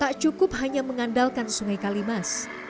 tak cukup hanya mengandalkan sungai kalimas